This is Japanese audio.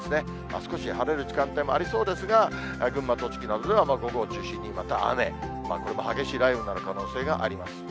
少し晴れる時間帯もありそうですが、群馬、栃木などでは午後を中心にまた雨、これも激しい雷雨になる可能性があります。